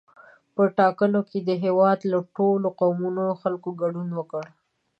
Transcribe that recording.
په ټاکنو کې د هېواد له ټولو قومونو خلکو ګډون وکړ.